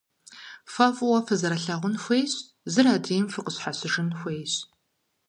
Фэ фӀыуэ фызэрылъагъун хуейщ, зыр адрейм фыкъыщхьэщыжын хуейщ.